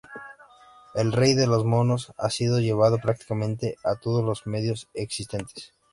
El Rey de los monos ha sido llevado prácticamente a todos los medios existentes.